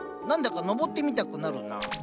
何だか登ってみたくなるな。